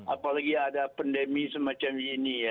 apalagi ada pandemi semacam ini ya